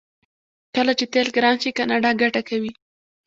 کله چې تیل ګران شي کاناډا ګټه کوي.